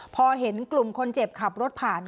พอเห็นกลุ่มคนเจ็บขับรถผ่าน